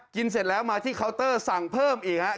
เสร็จแล้วมาที่เคาน์เตอร์สั่งเพิ่มอีกครับ